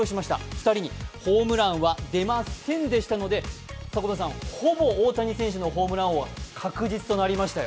２人にホームランは出ませんでしたのでほぼ大谷選手のホームラン王は確実となりましたよ。